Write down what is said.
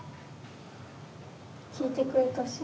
聞いてくれたし。